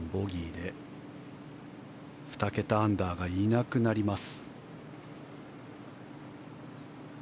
ハーマン、ボギーで２桁アンダーがいなくなります。